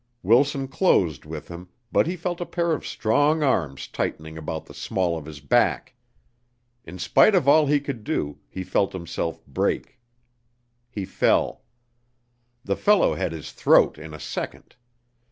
Wilson closed with him, but he felt a pair of strong arms tightening about the small of his back. In spite of all he could do, he felt himself break. He fell. The fellow had his throat in a second.